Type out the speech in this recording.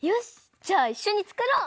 じゃあいっしょにつくろう！